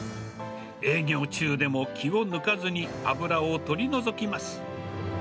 営業中でも気を抜かずに脂を取り除きます。